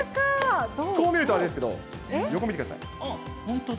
こう見るとあれですけど、横見て本当だ。